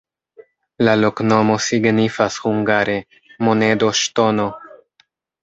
La loknomo signifas hungare: monedo-ŝtono.